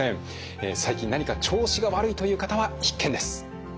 最近何か調子が悪いという方は必見です。